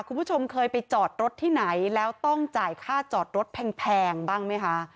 คุณผู้ชมเคยไปจอดรถที่ไหนแล้วต้องจ่ายค่าจอดรถแพงบ้างไหมคะ